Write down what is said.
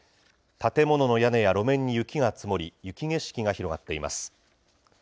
建物の屋根や路面に雪が積もり、雪景色が広がっています。